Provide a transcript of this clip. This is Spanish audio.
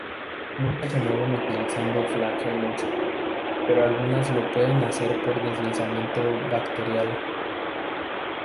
Muchas se mueven utilizando flagelos, pero algunas lo pueden hacer por deslizamiento bacterial.